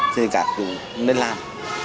thì các chủ nên làm